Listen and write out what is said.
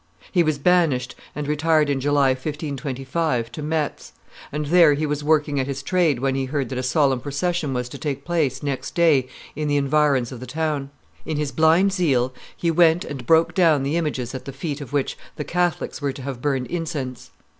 He was banished, and retired in July, 1525, to Metz; and there he was working at his trade when he heard that a solemn procession was to take place, next day, in the environs of the town. In his blind zeal he went and broke down the images at the feet of which the Catholics were to have burned incense.